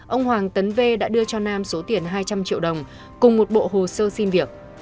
ông hoàng tấn v đã đưa cho nam số tiền hai trăm linh triệu đồng cùng một bộ hồ sơ xin việc